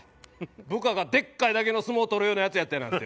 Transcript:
部下がでっかいだけの相撲取るようなヤツやったやなんて。